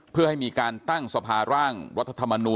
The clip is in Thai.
เพื่อให้มีการตั้งสภาร่างรัฐธรรมนูล